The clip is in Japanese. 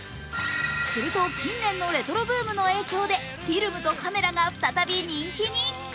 すると近年のレトロブームの影響でフィルムとカメラが再び人気に。